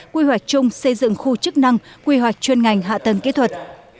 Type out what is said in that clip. quy hoạch chung xây dựng khu chức năng quy hoạch chuyên ngành hạ tầng kỹ thuật